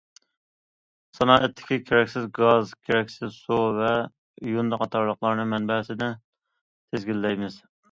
سانائەتتىكى كېرەكسىز گاز، كېرەكسىز سۇ ۋە يۇندى قاتارلىقلارنى مەنبەسىدىن تىزگىنلەيمىز.